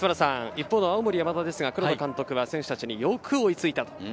青森山田ですが、黒田監督は選手たちによく追いついた。